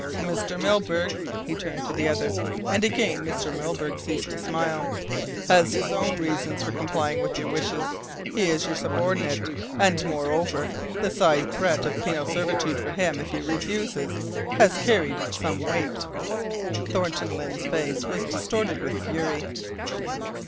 "Mr. Milburgh," he turned to the other, and again Mr. Milburgh ceased to smile, "has his own reasons for complying with your wishes. He is your subordinate, and moreover, the side threat of penal servitude for him if he refuses has carried some weight." Thornton Lyne's face was distorted with fury.